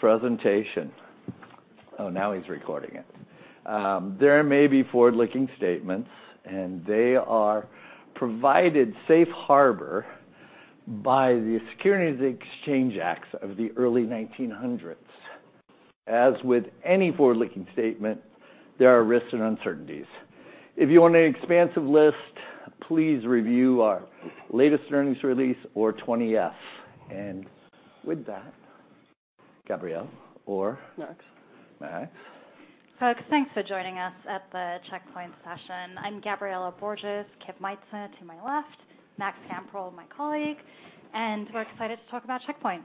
Presentation. Oh, now he's recording it. There may be forward-looking statements, and they are provided safe harbor by the Securities Exchange Acts of the early 1900s. As with any forward-looking statement, there are risks and uncertainties. If you want an expansive list, please review our latest earnings release or 20-F. And with that, Gabriela or- Max. Max. Folks, thanks for joining us at the Check Point session. I'm Gabriela Borges, Kip Meintzer to my left, Max Kamprad, my colleague, and we're excited to talk about Check Point.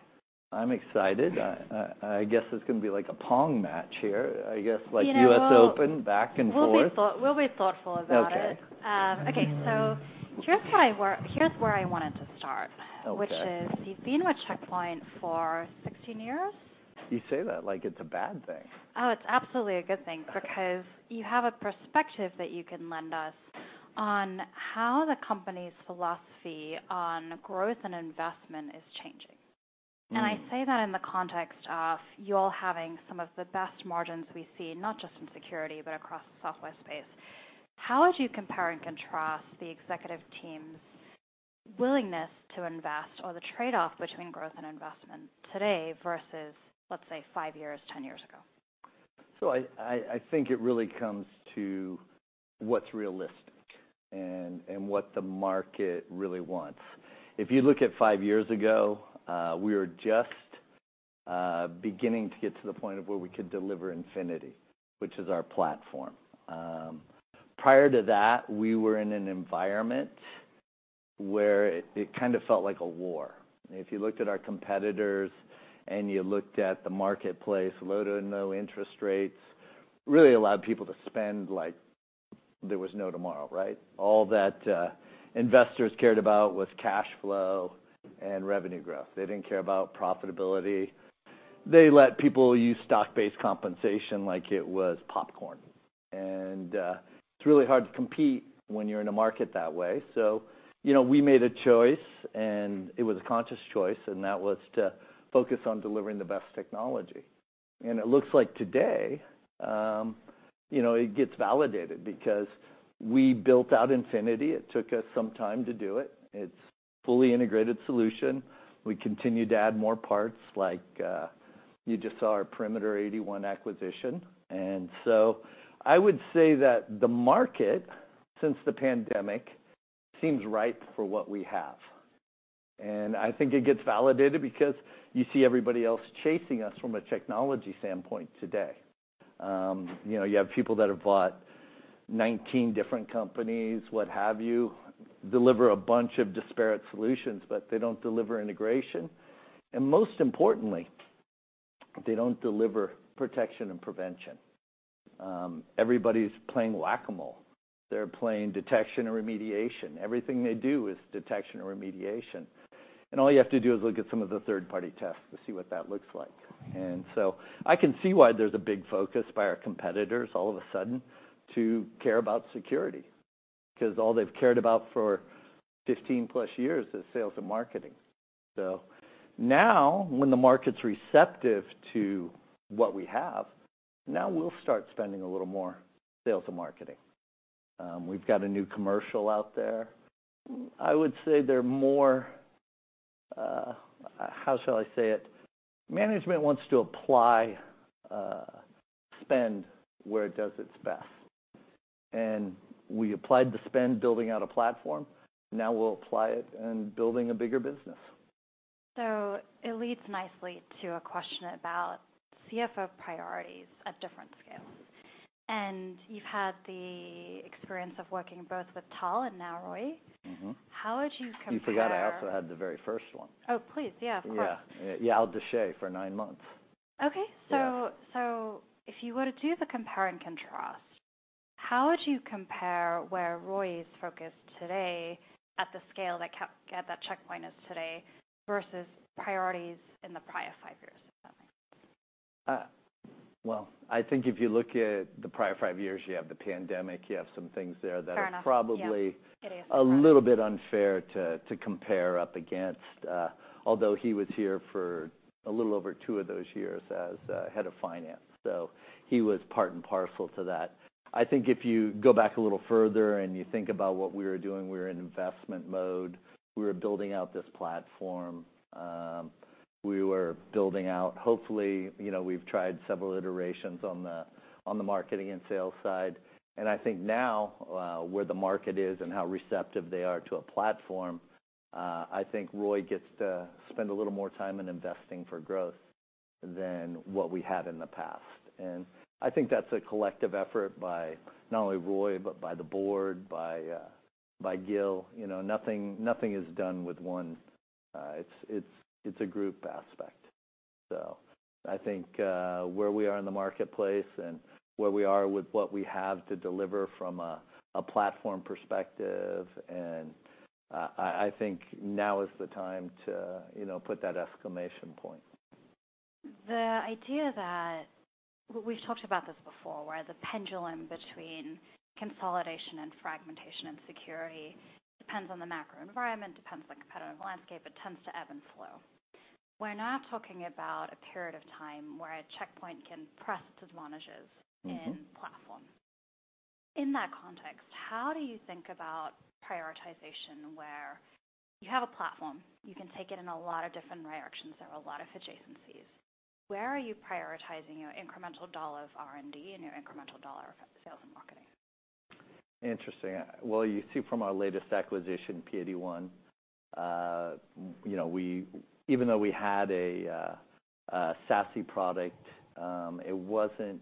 I'm excited. I guess it's gonna be like a pong match here. I guess, like US Open, back and forth. We'll be thoughtful about it. Okay. Okay. So here's where I wanted to start- Okay... which is you've been with Check Point for 16 years? You say that like it's a bad thing. Oh, it's absolutely a good thing- Okay Because you have a perspective that you can lend us on how the company's philosophy on growth and investment is changing. Mm. I say that in the context of you all having some of the best margins we see, not just in security, but across the software space. How would you compare and contrast the executive team's willingness to invest, or the trade-off between growth and investment today versus, let's say, five years, 10 years ago? So I think it really comes to what's realistic and what the market really wants. If you look at five years ago, we were just beginning to get to the point of where we could deliver Infinity, which is our platform. Prior to that, we were in an environment where it kind of felt like a war. If you looked at our competitors and you looked at the marketplace, low to no interest rates really allowed people to spend like there was no tomorrow, right? All that, investors cared about was cash flow and revenue growth. They didn't care about profitability. They let people use stock-based compensation like it was popcorn. And, it's really hard to compete when you're in a market that way. So, you know, we made a choice, and it was a conscious choice, and that was to focus on delivering the best technology. And it looks like today, you know, it gets validated because we built out Infinity. It took us some time to do it. It's a fully integrated solution. We continued to add more parts, like, you just saw our Perimeter 81 acquisition. And so I would say that the market, since the pandemic, seems ripe for what we have. And I think it gets validated because you see everybody else chasing us from a technology standpoint today. You know, you have people that have bought 19 different companies, what have you, deliver a bunch of disparate solutions, but they don't deliver integration, and most importantly, they don't deliver protection and prevention. Everybody's playing whack-a-mole. They're playing detection and remediation. Everything they do is detection and remediation. All you have to do is look at some of the third-party tests to see what that looks like. So I can see why there's a big focus by our competitors all of a sudden, to care about security, because all they've cared about for 15+ years is sales and marketing. So now, when the market's receptive to what we have, now we'll start spending a little more sales and marketing. We've got a new commercial out there. I would say they're more... how shall I say it? Management wants to apply spend where it does its best, and we applied the spend building out a platform. Now we'll apply it in building a bigger business. It leads nicely to a question about CFO priorities at different scales. You've had the experience of working both with Tal and now Roy. Mm-hmm. How would you compare- You forgot I also had the very first one. Oh, please. Yeah, of course. Yeah. Yeah, all those for nine months. Okay. Yeah. So, if you were to do the compare and contrast, how would you compare where Roy is focused today at the scale that Check Point is today, versus priorities in the prior five years? Well, I think if you look at the prior five years, you have the pandemic, you have some things there that- Fair enough, yeah.... are probably a little bit unfair to, to compare up against, although he was here for a little over two of those years as head of finance, so he was part and parcel to that. I think if you go back a little further and you think about what we were doing, we were in investment mode. We were building out this platform. Hopefully, you know, we've tried several iterations on the, on the marketing and sales side, and I think now, where the market is and how receptive they are to a platform, I think Roei gets to spend a little more time in investing for growth than what we had in the past. And I think that's a collective effort by not only Roei, but by the board, by Gil. You know, nothing, nothing is done with one. It's a group aspect. So I think, where we are in the marketplace and where we are with what we have to deliver from a platform perspective, and I think now is the time to, you know, put that exclamation point.... The idea that, we've talked about this before, where the pendulum between consolidation and fragmentation and security depends on the macro environment, depends on the competitive landscape. It tends to ebb and flow. We're now talking about a period of time where a Check Point can press its advantages- Mm-hmm. Infinity platform. In that context, how do you think about prioritization, where you have a platform, you can take it in a lot of different directions, there are a lot of adjacencies. Where are you prioritizing your incremental dollars R&D and your incremental dollar sales and marketing? Interesting. Well, you see from our latest acquisition, Perimeter 81, you know, we even though we had a SASE product, it wasn't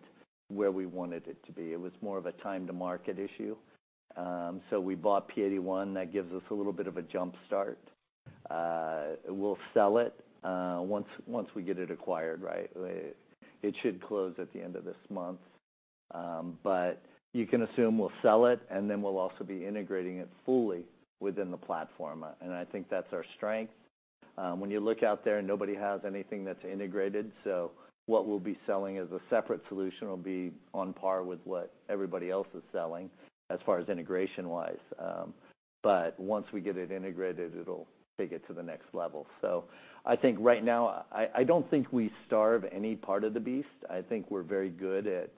where we wanted it to be. It was more of a time-to-market issue. So we bought Perimeter 81. That gives us a little bit of a jump start. We'll sell it, once, once we get it acquired, right? It should close at the end of this month. But you can assume we'll sell it, and then we'll also be integrating it fully within the platform. And I think that's our strength. When you look out there, nobody has anything that's integrated. So what we'll be selling as a separate solution will be on par with what everybody else is selling as far as integration-wise. But once we get it integrated, it'll take it to the next level. So I think right now, I don't think we starve any part of the beast. I think we're very good at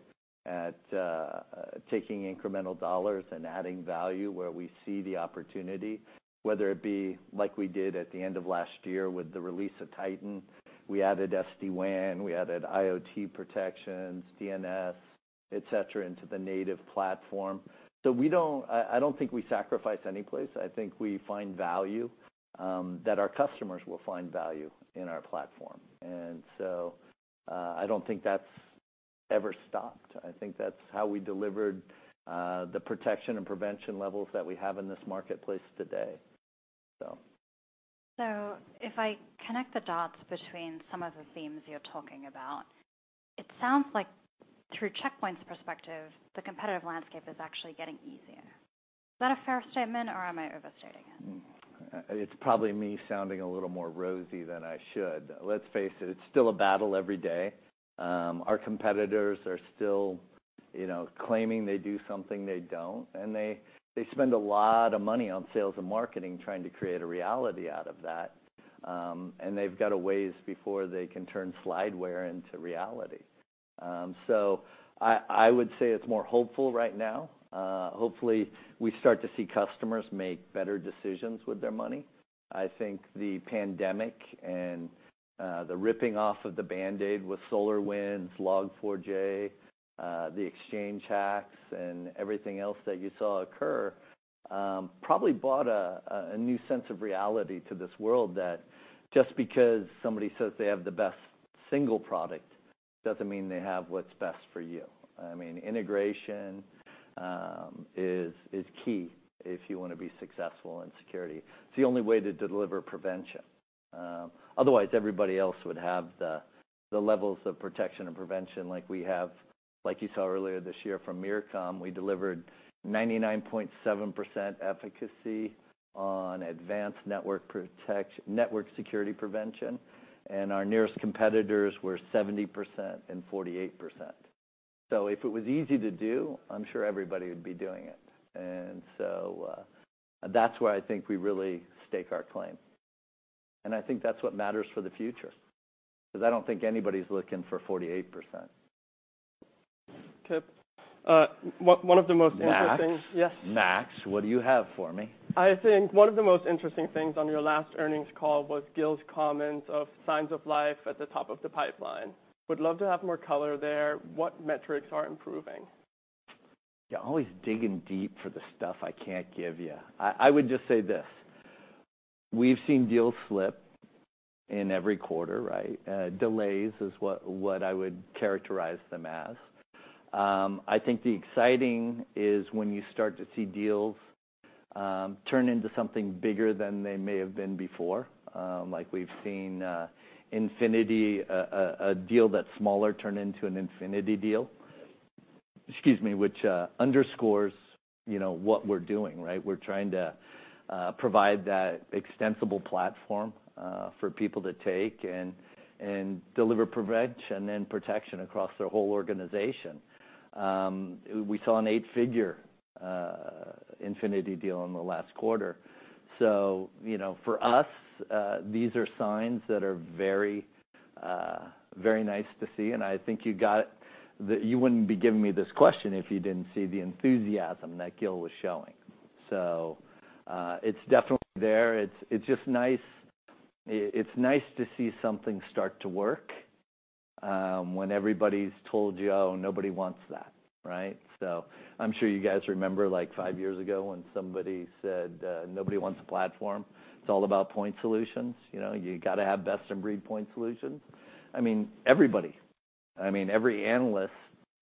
taking incremental dollars and adding value where we see the opportunity, whether it be like we did at the end of last year with the release of Titan. We added SD-WAN, we added IoT protections, DNS, et cetera, into the native platform. So we don't—I don't think we sacrifice any place. I think we find value that our customers will find value in our platform. And so, I don't think that's ever stopped. I think that's how we delivered the protection and prevention levels that we have in this marketplace today, so. So if I connect the dots between some of the themes you're talking about, it sounds like through Check Point's perspective, the competitive landscape is actually getting easier. Is that a fair statement or am I overstating it? It's probably me sounding a little more rosy than I should. Let's face it, it's still a battle every day. Our competitors are still, you know, claiming they do something they don't, and they, they spend a lot of money on sales and marketing trying to create a reality out of that. And they've got a ways before they can turn slideware into reality. So I would say it's more hopeful right now. Hopefully, we start to see customers make better decisions with their money. I think the pandemic and the ripping off of the Band-Aid with SolarWinds, Log4j, the Exchange hacks, and everything else that you saw occur probably brought a new sense of reality to this world, that just because somebody says they have the best single product doesn't mean they have what's best for you. I mean, integration is key if you want to be successful in security. It's the only way to deliver prevention. Otherwise, everybody else would have the, the levels of protection and prevention like we have. Like you saw earlier this year from MITRE, we delivered 99.7% efficacy on advanced network protection—network security prevention, and our nearest competitors were 70% and 48%. So if it was easy to do, I'm sure everybody would be doing it. And so, that's where I think we really stake our claim, and I think that's what matters for the future, because I don't think anybody's looking for 48%. Okay. One of the most interesting- Max! Yes. Max, what do you have for me? I think one of the most interesting things on your last earnings call was Gil's comment of signs of life at the top of the pipeline. Would love to have more color there. What metrics are improving? You're always digging deep for the stuff I can't give you. I would just say this: we've seen deals slip in every quarter, right? Delays is what I would characterize them as. I think the exciting is when you start to see deals turn into something bigger than they may have been before. Like we've seen Infinity, a deal that's smaller turn into an Infinity deal. Excuse me, which underscores, you know, what we're doing, right? We're trying to provide that extensible platform for people to take and deliver prevention and protection across their whole organization. We saw an 8-figure Infinity deal in the last quarter. So you know, for us, these are signs that are very very nice to see, and I think you got... You wouldn't be giving me this question if you didn't see the enthusiasm that Gil was showing. So, it's definitely there. It's just nice. It's nice to see something start to work, when everybody's told you, "Oh, nobody wants that." Right? So I'm sure you guys remember, like, five years ago, when somebody said, "Nobody wants a platform. It's all about point solutions. You know, you got to have best-in-breed point solutions." I mean, everybody, I mean, every analyst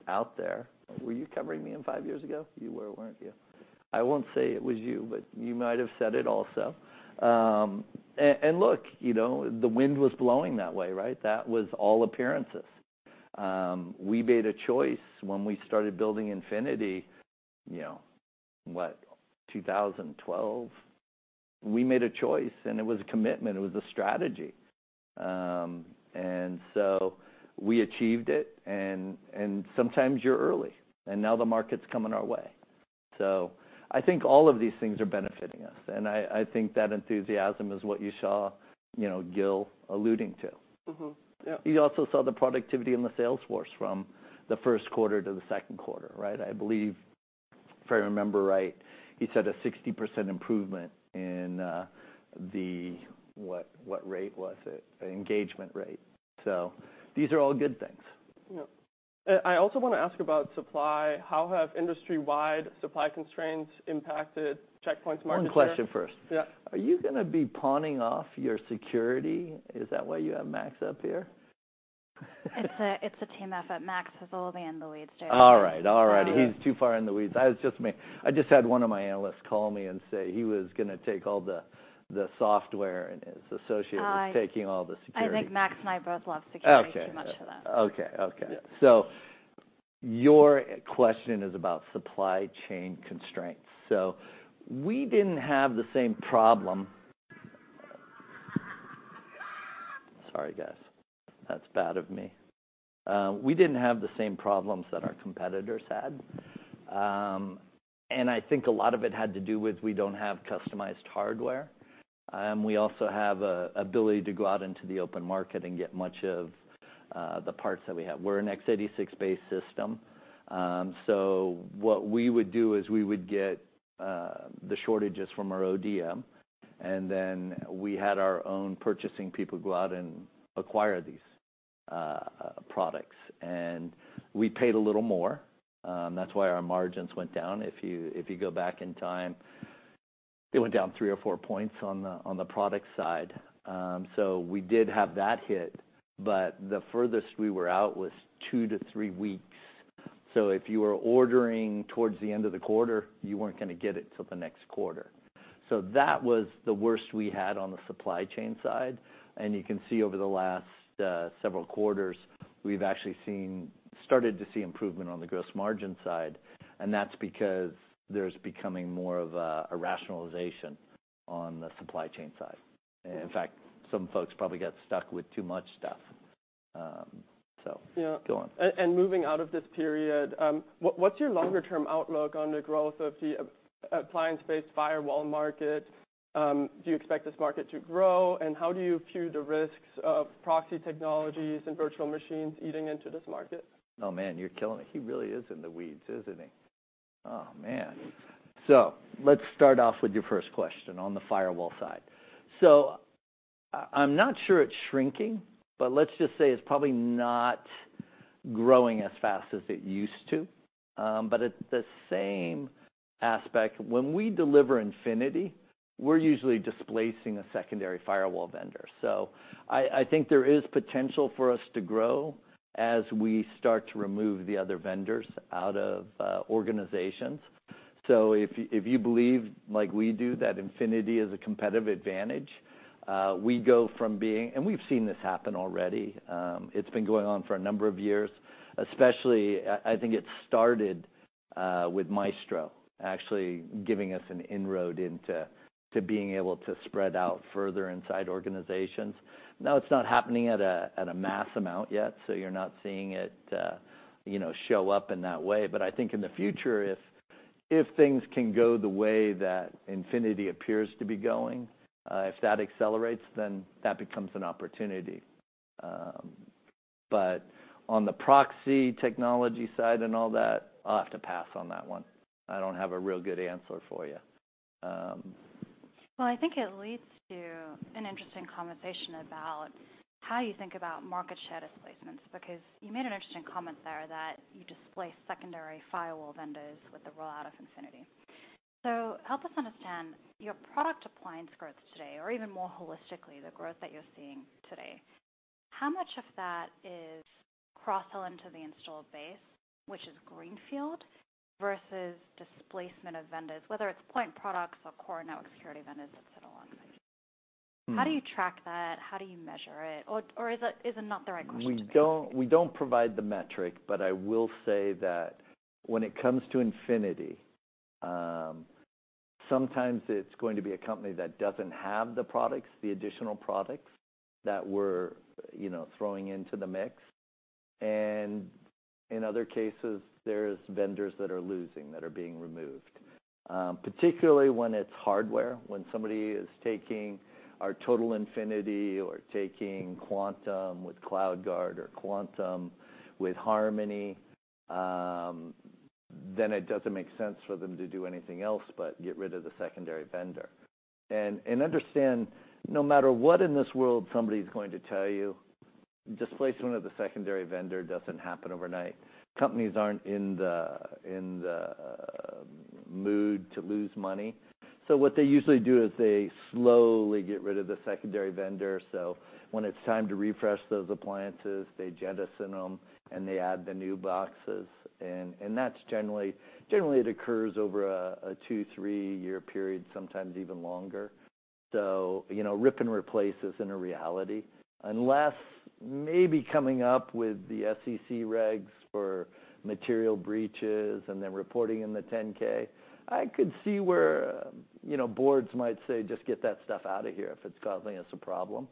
out there. Were you covering me in five years ago? You were, weren't you? I won't say it was you, but you might have said it also. And look, you know, the wind was blowing that way, right? That was all appearances. We made a choice when we started building Infinity, you know, what, 2012?... We made a choice, and it was a commitment, it was a strategy. And so we achieved it, and sometimes you're early, and now the market's coming our way. So I think all of these things are benefiting us, and I think that enthusiasm is what you saw, you know, Gil alluding to. Mm-hmm. Yeah. You also saw the productivity in the sales force from the first quarter to the second quarter, right? I believe, if I remember right, he said a 60% improvement in, what rate was it? The engagement rate. So these are all good things. Yeah. I also wanna ask about supply. How have industry-wide supply constraints impacted Check Point's market share? One question first. Yeah. Are you gonna be pawning off your security? Is that why you have Max up here? It's a, it's a team effort. Max is a little bit in the weeds today. All right, all right. Yeah. He's too far in the weeds. That was just me. I just had one of my analysts call me and say he was gonna take all the software, and his associate- I- was taking all the security. I think Max and I both love security- Okay Too much for that. Okay, okay. Yeah. So your question is about supply chain constraints. So we didn't have the same problem. Sorry, guys. That's bad of me. We didn't have the same problems that our competitors had. And I think a lot of it had to do with we don't have customized hardware. We also have an ability to go out into the open market and get much of the parts that we have. We're an x86-based system. So what we would do is we would get the shortages from our ODM, and then we had our own purchasing people go out and acquire these products. And we paid a little more. That's why our margins went down. If you go back in time, it went down three or four points on the product side. So we did have that hit, but the furthest we were out was two to three weeks. So if you were ordering towards the end of the quarter, you weren't gonna get it till the next quarter. So that was the worst we had on the supply chain side, and you can see over the last several quarters, we've actually started to see improvement on the gross margin side, and that's because there's becoming more of a rationalization on the supply chain side. In fact, some folks probably got stuck with too much stuff. So- Yeah. Go on. Moving out of this period, what's your longer-term outlook on the growth of the appliance-based firewall market? Do you expect this market to grow? And how do you view the risks of proxy technologies and virtual machines eating into this market? Oh, man, you're killing me. He really is in the weeds, isn't he? Oh, man! So let's start off with your first question on the firewall side. So I'm not sure it's shrinking, but let's just say it's probably not growing as fast as it used to. But at the same aspect, when we deliver Infinity, we're usually displacing a secondary firewall vendor. So I think there is potential for us to grow as we start to remove the other vendors out of organizations. So if you believe, like we do, that Infinity is a competitive advantage, we go from being... And we've seen this happen already. It's been going on for a number of years, especially, I think it started with Maestro, actually giving us an inroad into being able to spread out further inside organizations. Now, it's not happening at a mass amount yet, so you're not seeing it, you know, show up in that way. But I think in the future, if things can go the way that Infinity appears to be going, if that accelerates, then that becomes an opportunity. But on the proxy technology side and all that, I'll have to pass on that one. I don't have a real good answer for you. Well, I think it leads to an interesting conversation about how you think about market share displacements, because you made an interesting comment there, that you displace secondary firewall vendors with the rollout of Infinity. So help us understand, your product appliance growth today, or even more holistically, the growth that you're seeing today, how much of that is cross-sell into the installed base, which is greenfield, versus displacement of vendors, whether it's point products or core network security vendors that sit alongside you? Mm. How do you track that? How do you measure it? Or, is it not the right question to be asking? We don't provide the metric, but I will say that when it comes to Infinity, sometimes it's going to be a company that doesn't have the products, the additional products, that we're, you know, throwing into the mix. And in other cases, there's vendors that are losing, that are being removed. Particularly when it's hardware, when somebody is taking our Total Infinity or taking Quantum with CloudGuard or Quantum with Harmony, then it doesn't make sense for them to do anything else but get rid of the secondary vendor. And understand, no matter what in this world somebody's going to tell you, displacement of the secondary vendor doesn't happen overnight. Companies aren't in the mood to lose money, so what they usually do is they slowly get rid of the secondary vendor. So when it's time to refresh those appliances, they jettison them, and they add the new boxes. And that's generally- generally, it occurs over a two- three-year period, sometimes even longer. So, you know, rip and replace isn't a reality, unless maybe coming up with the SEC regs for material breaches and then reporting in the 10-K. I could see where, you know, boards might say, "Just get that stuff out of here if it's causing us a problem."...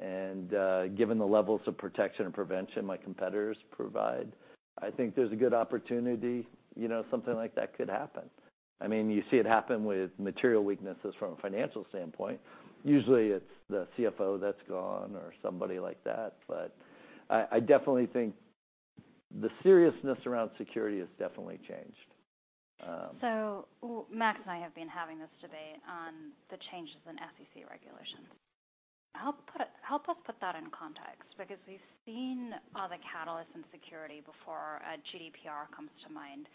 and given the levels of protection and prevention my competitors provide, I think there's a good opportunity, you know, something like that could happen. I mean, you see it happen with material weaknesses from a financial standpoint. Usually, it's the CFO that's gone or somebody like that. But I definitely think the seriousness around security has definitely changed. So, Max and I have been having this debate on the changes in SEC regulations. Help put it, help us put that in context, because we've seen other catalysts in security before, GDPR comes to mind,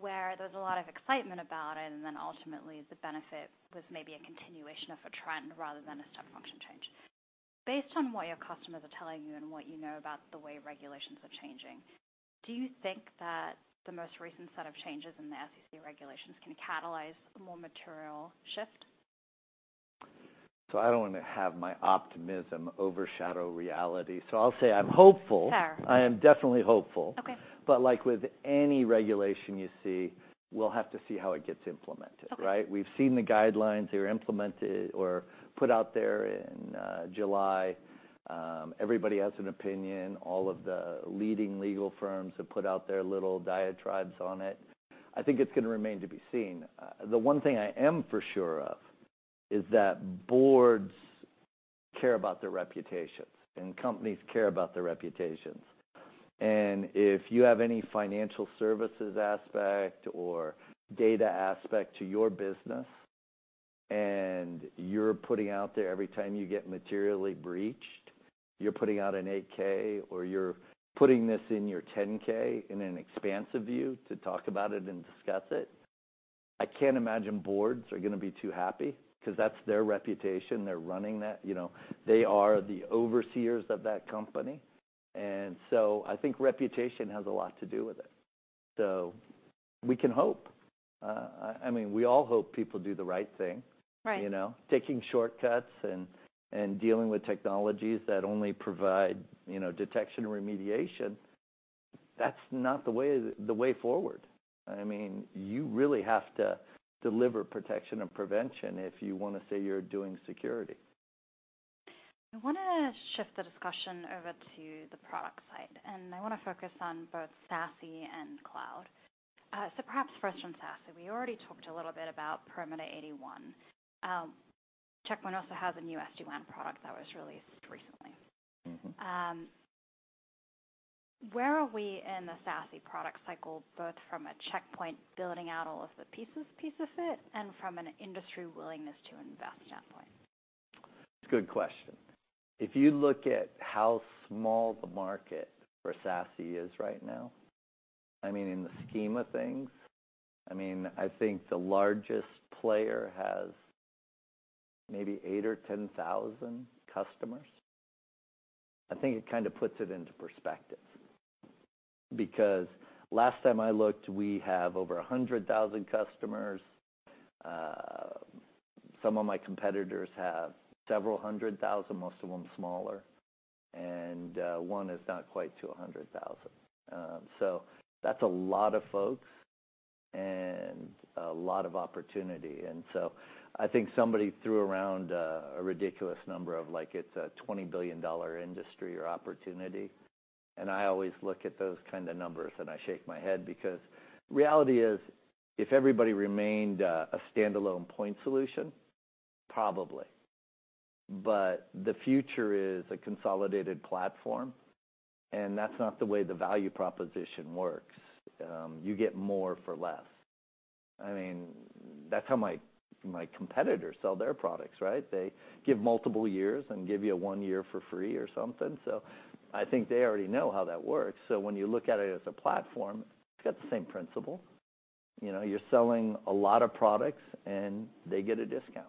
where there's a lot of excitement about it, and then ultimately, the benefit was maybe a continuation of a trend rather than a step function change. Based on what your customers are telling you and what you know about the way regulations are changing, do you think that the most recent set of changes in the SEC regulations can catalyze a more material shift? I don't want to have my optimism overshadow reality, so I'll say I'm hopeful. Fair. I am definitely hopeful. Okay. But like with any regulation you see, we'll have to see how it gets implemented. Okay. Right? We've seen the guidelines. They were implemented or put out there in July. Everybody has an opinion. All of the leading legal firms have put out their little diatribes on it. I think it's gonna remain to be seen. The one thing I am for sure of is that boards care about their reputations, and companies care about their reputations. And if you have any financial services aspect or data aspect to your business, and you're putting out there every time you get materially breached, you're putting out an 8-K, or you're putting this in your 10-K in an expansive view to talk about it and discuss it, I can't imagine boards are gonna be too happy because that's their reputation. They're running that... You know, they are the overseers of that company. And so I think reputation has a lot to do with it. So we can hope. I mean, we all hope people do the right thing. Right. You know, taking shortcuts and dealing with technologies that only provide, you know, detection and remediation, that's not the way forward. I mean, you really have to deliver protection and prevention if you want to say you're doing security. I wanna shift the discussion over to the product side, and I wanna focus on both SASE and cloud. Perhaps first on SASE. We already talked a little bit about Perimeter 81. Check Point also has a new SD-WAN product that was released recently. Mm-hmm. Where are we in the SASE product cycle, both from a Check Point building out all of the pieces of it and from an industry willingness to invest standpoint? Good question. If you look at how small the market for SASE is right now, I mean, in the scheme of things, I mean, I think the largest player has maybe 8,000 or 10,000 customers. I think it kind of puts it into perspective because last time I looked, we have over 100,000 customers. Some of my competitors have several 100,000, most of them smaller, and one is not quite to 100,000. So that's a lot of folks and a lot of opportunity. And so I think somebody threw around a ridiculous number of, like, it's a $20 billion industry or opportunity. And I always look at those kind of numbers, and I shake my head because reality is, if everybody remained a standalone point solution, probably. But the future is a consolidated platform, and that's not the way the value proposition works. You get more for less. I mean, that's how my, my competitors sell their products, right? They give multiple years and give you a one year for free or something. So I think they already know how that works. So when you look at it as a platform, it's got the same principle. You know, you're selling a lot of products, and they get a discount.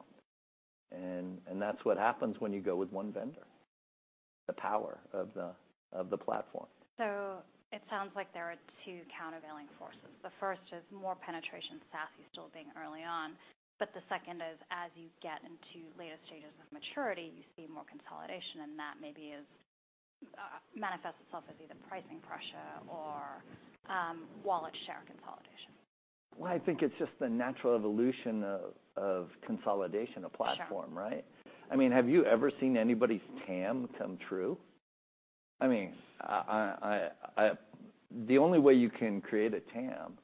And, and that's what happens when you go with one vendor, the power of the, of the platform. So it sounds like there are two countervailing forces. The first is more penetration, SASE still being early on, but the second is, as you get into later stages of maturity, you see more consolidation, and that maybe is, manifests itself as either pricing pressure or, wallet share consolidation. Well, I think it's just the natural evolution of consolidation of platform- Sure... right? I mean, have you ever seen anybody's TAM come true? I mean, the only way you can create a TAM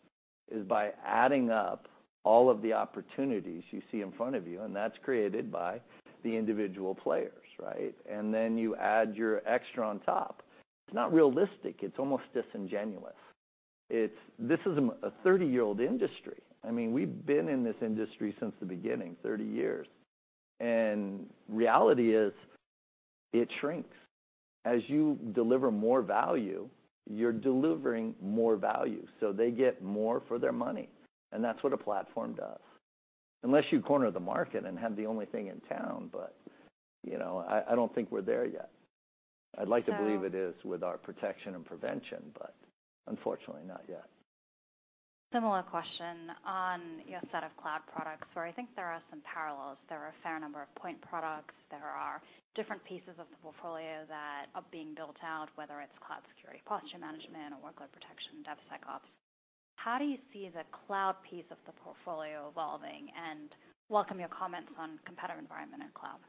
is by adding up all of the opportunities you see in front of you, and that's created by the individual players, right? And then you add your extra on top. It's not realistic. It's almost disingenuous. It's a 30-year-old industry. I mean, we've been in this industry since the beginning, 30 years, and reality is, it shrinks. As you deliver more value, you're delivering more value, so they get more for their money, and that's what a platform does. Unless you corner the market and have the only thing in town, but, you know, I don't think we're there yet. So- I'd like to believe it is with our protection and prevention, but unfortunately, not yet. Similar question on your set of cloud products, where I think there are some parallels. There are a fair number of point products. There are different pieces of the portfolio of being built out, whether it's cloud security, posture management, or workload protection, DevSecOps. How do you see the cloud piece of the portfolio evolving? And welcome your comments on competitor environment and cloud.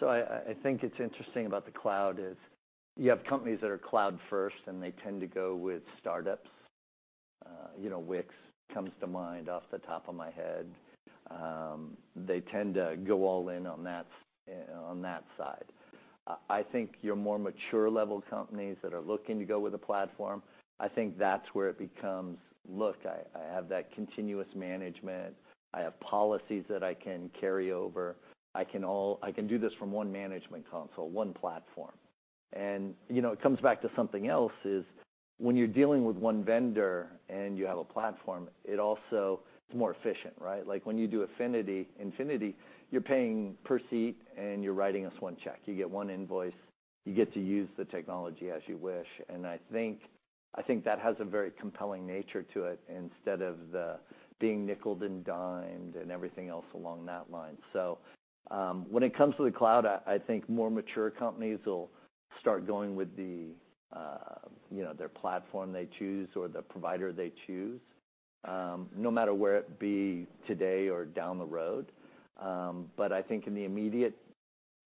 So I think it's interesting about the cloud is, you have companies that are cloud-first, and they tend to go with startups. You know, Wix comes to mind off the top of my head. They tend to go all in on that, on that side. I think your more mature-level companies that are looking to go with a platform, I think that's where it becomes: Look, I have that continuous management. I have policies that I can carry over. I can do this from one management console, one platform. And, you know, it comes back to something else, is when you're dealing with one vendor and you have a platform, it also is more efficient, right? Like, when you do Infinity, you're paying per seat, and you're writing us one check. You get one invoice. You get to use the technology as you wish, and I think that has a very compelling nature to it, instead of being nickeled and dimed and everything else along that line. So, when it comes to the cloud, I think more mature companies will start going with the, you know, their platform they choose or the provider they choose, no matter where it be today or down the road. But I think in the immediate,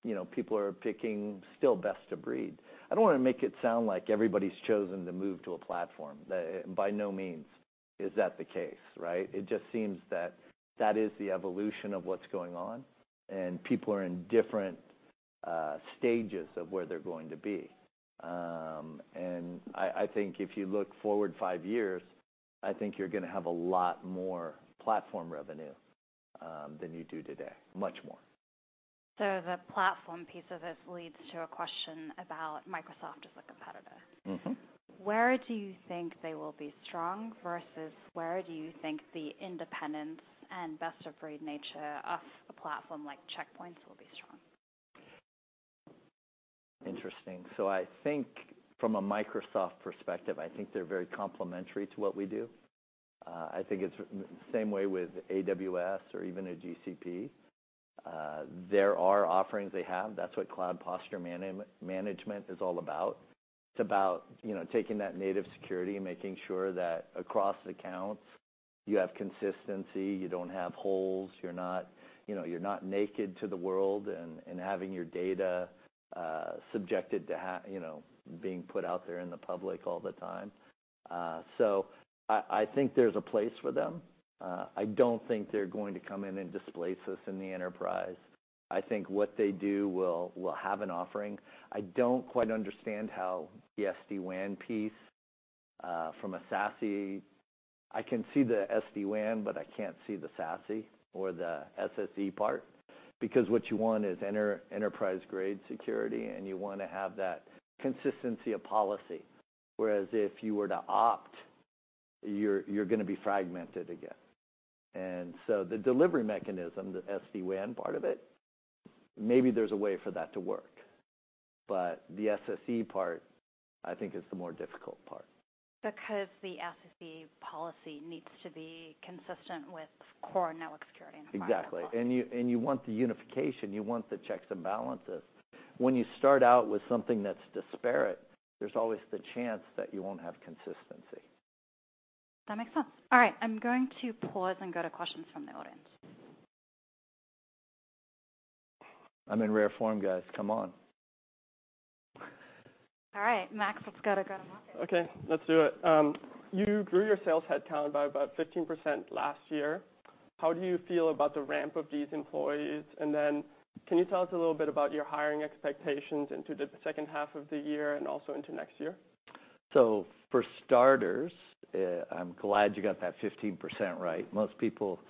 you know, people are picking still best of breed. I don't wanna make it sound like everybody's chosen to move to a platform. By no means is that the case, right? It just seems that that is the evolution of what's going on, and people are in different stages of where they're going to be. I think if you look forward five years, I think you're gonna have a lot more platform revenue than you do today. Much more. The platform piece of this leads to a question about Microsoft as a competitor. Mm-hmm. Where do you think they will be strong versus where do you think the independence and best-of-breed nature of a platform like Check Point will be strong? Interesting. So I think from a Microsoft perspective, I think they're very complementary to what we do. I think it's the same way with AWS or even a GCP. There are offerings they have. That's what cloud posture management is all about. It's about, you know, taking that native security and making sure that across accounts you have consistency, you don't have holes, you're not, you know, you're not naked to the world and, and having your data subjected to you know, being put out there in the public all the time. So I think there's a place for them. I don't think they're going to come in and displace us in the enterprise. I think what they do will have an offering. I don't quite understand how the SD-WAN piece from a SASE... I can see the SD-WAN, but I can't see the SASE or the SSE part. Because what you want is enterprise-grade security, and you wanna have that consistency of policy, whereas if you were to opt, you're gonna be fragmented again. And so the delivery mechanism, the SD-WAN part of it, maybe there's a way for that to work, but the SSE part, I think, is the more difficult part. Because the SSE policy needs to be consistent with core network security and- Exactly. - cloud. You, and you want the unification. You want the checks and balances. When you start out with something that's disparate, there's always the chance that you won't have consistency. That makes sense. All right, I'm going to pause and go to questions from the audience. I'm in rare form, guys. Come on. All right, Max, let's go to market. Okay, let's do it. You grew your sales headcount by about 15% last year. How do you feel about the ramp of these employees? And then, can you tell us a little bit about your hiring expectations into the second half of the year and also into next year? So for starters, I'm glad you got that 15% right. Most people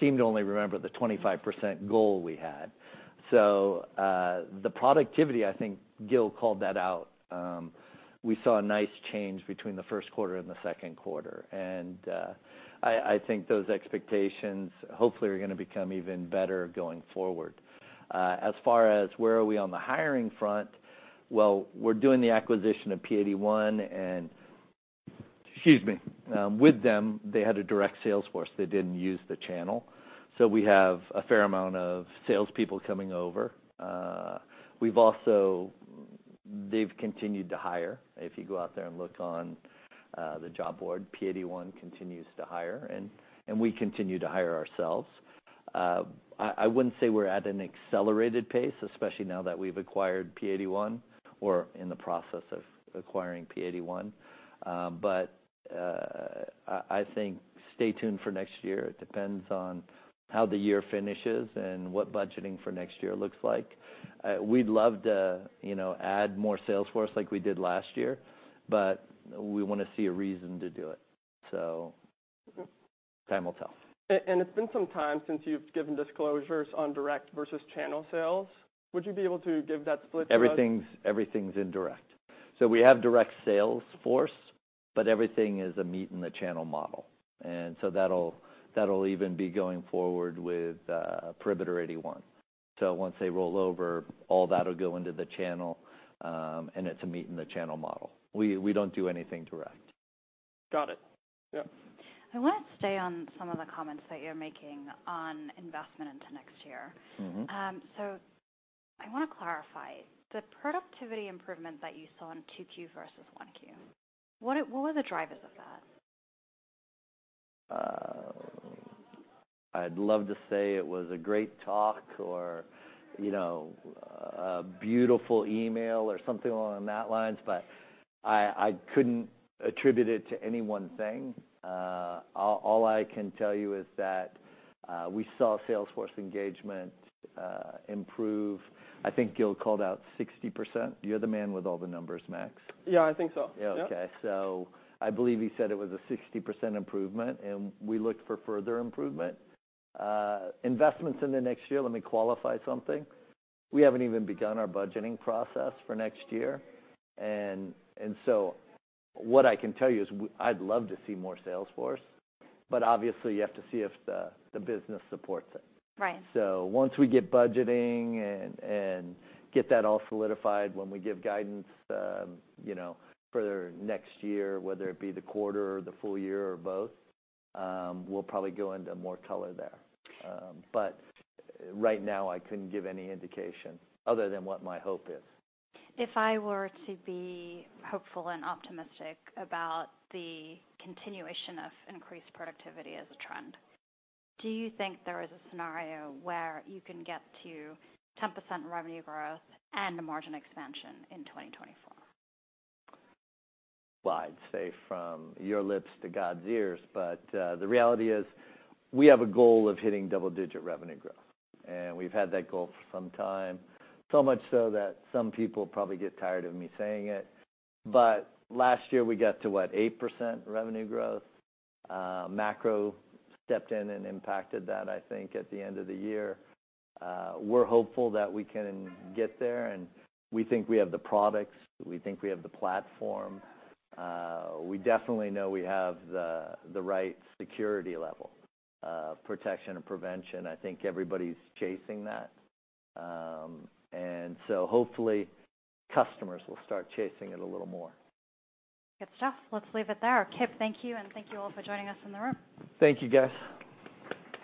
seem to only remember the 25% goal we had. So, the productivity, I think Gil called that out. We saw a nice change between the first quarter and the second quarter, and I think those expectations hopefully are gonna become even better going forward. As far as where are we on the hiring front, well, we're doing the acquisition of P81, and, excuse me, with them, they had a direct sales force. They didn't use the channel, so we have a fair amount of salespeople coming over. We've also... They've continued to hire. If you go out there and look on the job board, P81 continues to hire, and we continue to hire ourselves. I wouldn't say we're at an accelerated pace, especially now that we've acquired P81, or in the process of acquiring P81. But I think stay tuned for next year. It depends on how the year finishes and what budgeting for next year looks like. We'd love to, you know, add more sales force like we did last year, but we wanna see a reason to do it, so time will tell. It's been some time since you've given disclosures on direct versus channel sales. Would you be able to give that split to us? Everything's indirect. So we have a direct sales force, but everything is a meet-in-the-channel model, and so that'll even be going forward with Perimeter 81. So once they roll over, all that'll go into the channel, and it's a meet-in-the-channel model. We don't do anything direct.... Got it. Yep. I want to stay on some of the comments that you're making on investment into next year. Mm-hmm. I want to clarify. The productivity improvement that you saw in 2Q versus 1Q, what were the drivers of that? I'd love to say it was a great talk or, you know, a beautiful email or something along those lines, but I couldn't attribute it to any one thing. All I can tell you is that we saw Sales force engagement improve. I think Gil called out 60%. You're the man with all the numbers, Max. Yeah, I think so. Yeah. Okay. So I believe he said it was a 60% improvement, and we looked for further improvement. Investments in the next year, let me qualify something. We haven't even begun our budgeting process for next year. And so what I can tell you is we-- I'd love to see more sales force, but obviously, you have to see if the, the business supports it. Right. So once we get budgeting and get that all solidified, when we give guidance, you know, for next year, whether it be the quarter or the full year or both, we'll probably go into more color there. But right now, I couldn't give any indication other than what my hope is. If I were to be hopeful and optimistic about the continuation of increased productivity as a trend, do you think there is a scenario where you can get to 10% revenue growth and a margin expansion in 2024? Well, I'd say from your lips to God's ears, but, the reality is, we have a goal of hitting double-digit revenue growth, and we've had that goal for some time. So much so that some people probably get tired of me saying it. But last year, we got to, what? 8% revenue growth. Macro stepped in and impacted that, I think, at the end of the year. We're hopeful that we can get there, and we think we have the products, we think we have the platform. We definitely know we have the right security level of protection and prevention. I think everybody's chasing that. And so hopefully, customers will start chasing it a little more. Good stuff. Let's leave it there. Kip, thank you, and thank you all for joining us in the room. Thank you, guys.